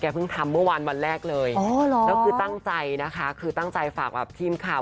เพิ่งทำเมื่อวานวันแรกเลยแล้วคือตั้งใจนะคะคือตั้งใจฝากแบบทีมข่าว